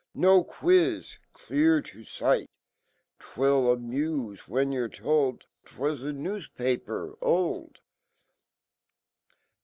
]SJb quiz ; Clear toTight. CTwill amufe When you're told "Twa* a nevrs Paper old.)